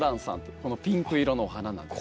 このピンク色のお花なんです。